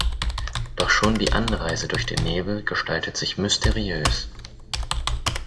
Doch schon die Anreise durch den Nebel gestaltet sich mysteriös.